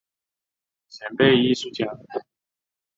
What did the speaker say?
前辈艺术家